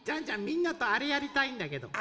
みんなとあれやりたいんだけど。